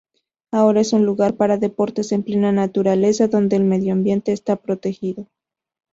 Ahora es un lugar para deportes en plena naturaleza donde el medioambiente está protegido.